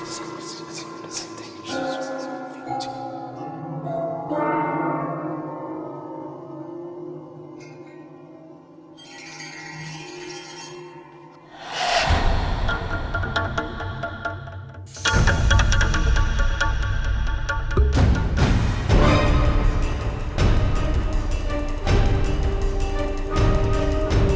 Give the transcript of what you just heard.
suara berisik itu lagi